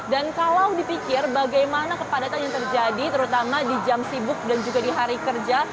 dan kalau dipikir bagaimana kepadatan yang terjadi terutama di jam sibuk dan juga di hari kerja